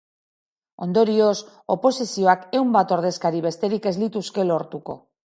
Ondorioz, oposizioak ehun bat ordezkari besterik ez lituzke lortuko.